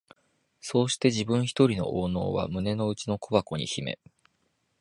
そうして自分ひとりの懊悩は胸の中の小箱に秘め、